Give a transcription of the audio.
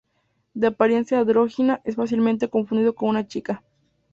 De apariencia andrógina, es fácilmente confundido con una chica.